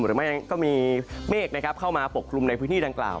หรือไม่ก็มีเมฆเข้ามาปกคลุมในพื้นที่ดังกล่าว